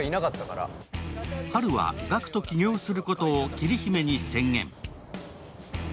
ハルはガクと起業することを桐姫に宣言。